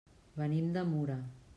Venim de Mura.